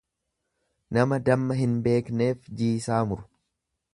Nama damma hin beekneef jiisaa muru.